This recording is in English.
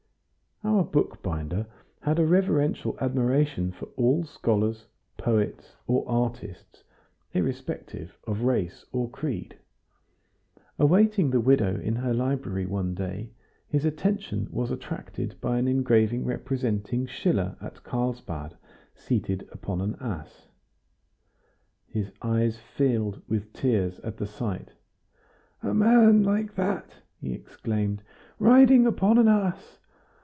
Our bookbinder had a reverential admiration for all scholars, poets, or artists, irrespective of race or creed. Awaiting the widow in her library one day, his attention was attracted by an engraving representing Schiller at Carlsbad seated upon an ass. His eyes filled with tears at the sight. "A man like that," he exclaimed, "riding upon an ass!